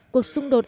cuộc xung đột